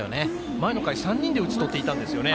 前の回、３人で打ち取っていたんですよね。